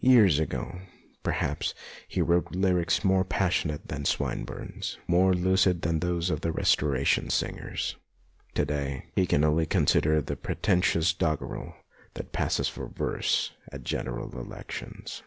Years ago, per haps, he wrote lyrics more passionate than Swinburne's, more lucid than those of the Restoration singers ; to day he can only consider the pretentious doggerel that passes for verse at General Elections.